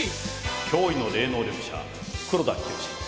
「驚異の霊能力者黒田清。